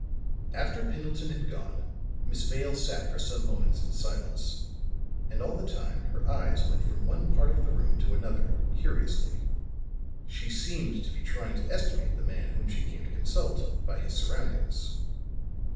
After Pendleton had gone, Miss Vale sat for some moments in silence; and all the time her eyes went from one part of the room to another, curiously; she seemed to be trying to estimate the man whom she came to consult by his surroundings.